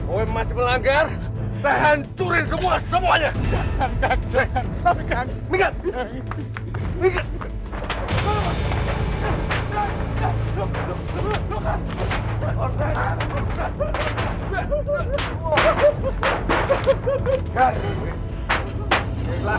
eee coba biar nanti papa lihat dulu ya